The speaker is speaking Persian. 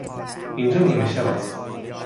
اینجا نیمه شب است.